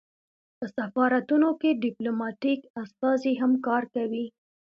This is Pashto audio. په سفارتونو کې ډیپلوماتیک استازي هم کار کوي